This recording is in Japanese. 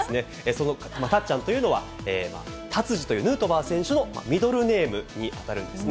その、たっちゃんというのは、タツジという、ヌートバー選手のミドルネームに当たるんですね。